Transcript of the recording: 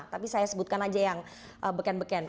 tapi saya sebutkan aja yang beken beken